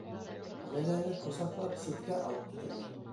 Ләләне ҡосаҡлап ситкә алып китәләр.